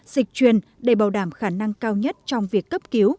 dịch truyền để bảo đảm khả năng cao nhất trong việc cấp cứu